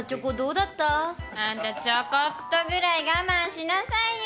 あんた、ちょこっとぐらい我慢しなさいよ。